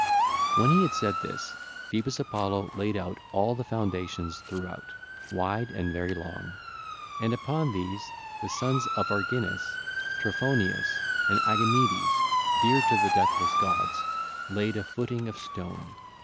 (ll. 294 299) When he had said this, Phoebus Apollo laid out all the foundations throughout, wide and very long; and upon these the sons of Erginus, Trophonius and Agamedes, dear to the deathless gods, laid a footing of stone.